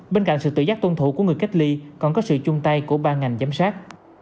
bên cạnh sự tự giác tuân thủ của người cách ly còn có sự chung tay của ba ngành giám sát